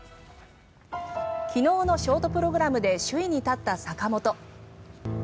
昨日のショートプログラムで首位に立った坂本。